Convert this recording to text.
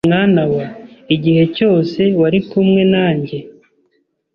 mwana wa, igihe cyose wari kumwe nanjye,